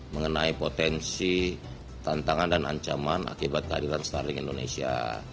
mengenai potensi tantangan dan ancaman akibat keadilan starlink indonesia